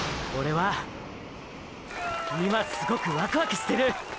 はーー今すごくワクワクしてる！！